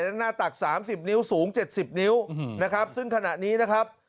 และหน้าตัก๓๐นิ้วสูง๗๐นิ้วนะครับซึ่งขณะนี้นะครับ